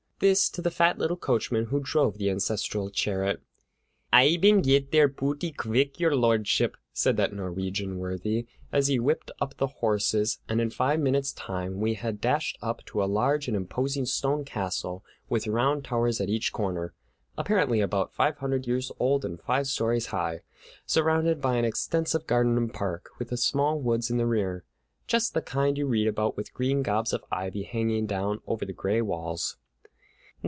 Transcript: This to the fat little coachman who drove the ancestral chariot. "Ay bane get there pooty qvick, Your Lordship," said that Norwegian worthy, as he whipped up the horses, and in five minutes' time we had dashed up to a large and imposing stone castle with round towers at each corner, apparently about five hundred years old and five stories high, surrounded by an extensive garden and park, with a small woods in the rear: just the kind you read about, with green gobs of ivy hanging down over the gray walls.